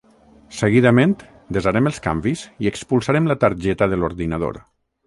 Seguidament, desarem els canvis i expulsarem la targeta de l'ordinador